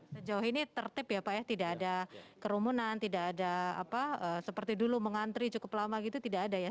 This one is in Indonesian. sejauh ini tertip ya pak ya tidak ada kerumunan tidak ada apa seperti dulu mengantri cukup lama gitu tidak ada ya